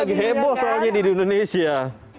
lagi heboh soalnya di indonesia